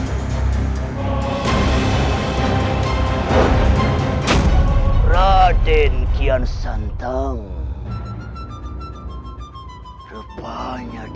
namun mereka sedarkah becoming a sport player